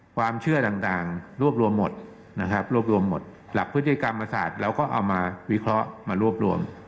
ความเชื่อต่างรวบรวมหมดนะครับรวบรวมหมดหลักพฤติกรรมศาสตร์เราก็เอามาวิเคราะห์มารวบรวม